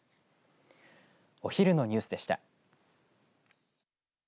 お昼のニュースでした。